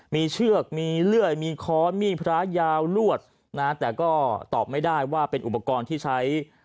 มีเชือกมีเลื่อยมีค้อนมีดพระยาวลวดนะแต่ก็ตอบไม่ได้ว่าเป็นอุปกรณ์ที่ใช้